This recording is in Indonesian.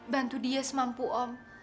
bantu dia semampu om